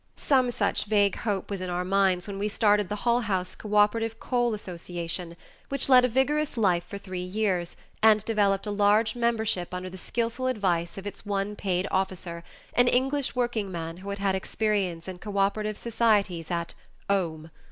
Some such vague hope was in our minds when we started the Hull House Cooperative Coal Association, which led a vigorous life for three years, and developed a large membership under the skillful advice of its one paid officer, an English workingman who had had experience in cooperative societies at "'ome."